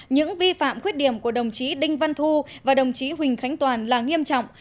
những vi phạm khuyết điểm của đồng chí đinh văn thu và đồng chí huỳnh khánh toàn là nghiêm trọng